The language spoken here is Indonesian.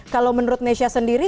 kalau menurut nesya sendiri